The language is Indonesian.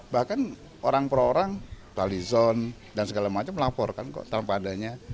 bahkan orang per orang talizon dan segala macam melaporkan kok tanpa adanya